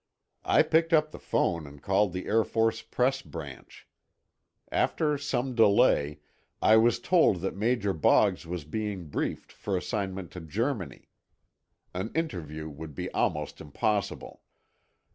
I picked up the phone and called the Air Force Press Branch. After some delay, I was told that Major Boggs was being briefed for assignment to Germany. An interview would be almost impossible.